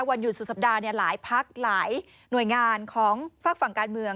วันหยุดสุดสัปดาห์หลายพักหลายหน่วยงานของฝากฝั่งการเมือง